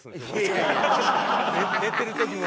寝てる時も。